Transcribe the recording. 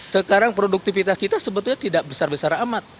sekarang produktivitas kita sebetulnya tidak besar besar amat